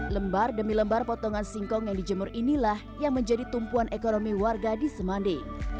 lembar demi lembar potongan singkong yang dijemur inilah yang menjadi tumpuan ekonomi warga di semande